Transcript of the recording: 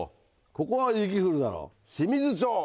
ここは雪降るだろう「清水町」！